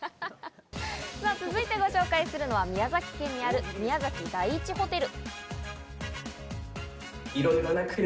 続いてご紹介するのは宮崎県にある、宮崎第一ホテル。